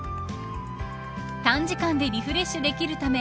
短時間でリフレッシュできるため